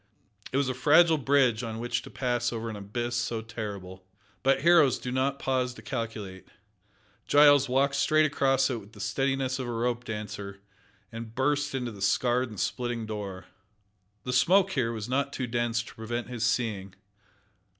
It was a fragile bridge on which to pass over an abyss so terrible. But heroes do not pause to calculate. Giles walked straight across it with the steadiness of a rope dancer, and burst in the scarred and splitting door. The smoke here was not too dense to prevent his seeing.